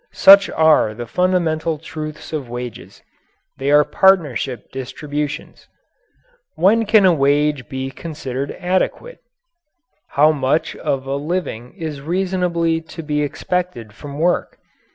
Such are the fundamental truths of wages. They are partnership distributions. When can a wage be considered adequate? How much of a living is reasonably to be expected from work?